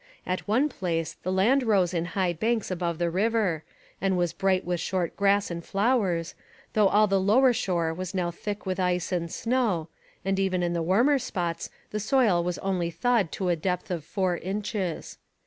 At one place the land rose in high banks above the river, and was bright with short grass and flowers, though all the lower shore was now thick with ice and snow, and even in the warmer spots the soil was only thawed to a depth of four inches.